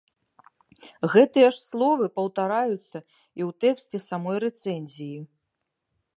Гэтыя ж словы паўтараюцца і ў тэксце самой рэцэнзіі.